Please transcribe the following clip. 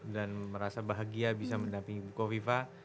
dan merasa bahagia bisa mendampingi bukoviva